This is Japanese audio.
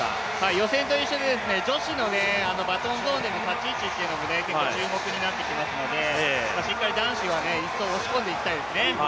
予選と一緒で、女子のバトンゾーンでの立ち位置というのも結構注目になってきますので男子は１走、押し込んでいきたいですね。